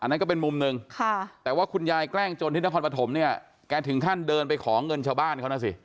นั่นก็เป็นมุมหนึ่งแต่ว่าคุณยายแกล้งจนที่นครปฐมเนี่ยแกถึงขั้นเดินไปขอเงินชาวบ้านเขานะสิ